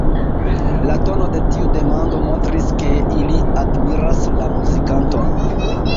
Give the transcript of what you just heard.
La tono de tiu demando montris, ke ili admiras la muzikanton.